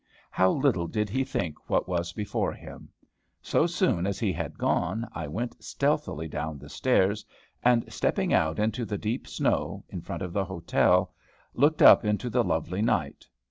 How little did he think what was before him! So soon as he had gone I went stealthily down the stairs, and stepping out into the deep snow, in front of the hotel, looked up into the lovely night.